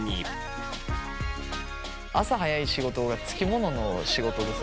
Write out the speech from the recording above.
朝早い仕事がつきものの仕事でさ